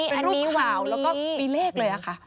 เป็นรูปที่วาวแล้วก็มีเลขเลยค่ะ